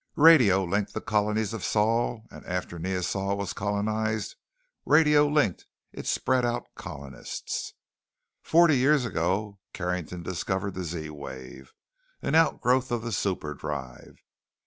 "Radio linked the colonies of Sol, and after Neosol was colonized, radio linked its spread out colonists. "Forty years ago, Carrington discovered the Z wave, an outgrowth of the superdrive.